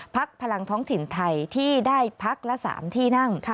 พลังท้องถิ่นไทยที่ได้พักละ๓ที่นั่ง